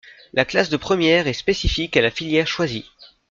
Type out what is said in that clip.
La classe de première est spécifique à la filière choisie.